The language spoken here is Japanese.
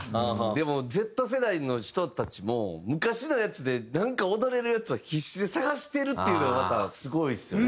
でもＺ世代の人たちも昔のやつでなんか踊れるやつを必死で探してるっていうのがまたすごいですよね。